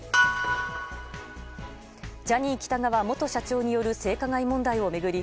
ジャニー喜多川元社長による性加害問題を巡り